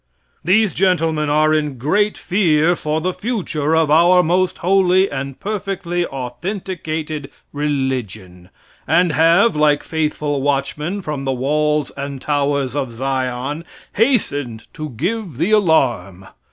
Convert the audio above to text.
These gentlemen are in great fear for the future of our most holy and perfectly authenticated religion, and have, like faithful watchmen from the walls and towers of Zion, hastened to give the alarm.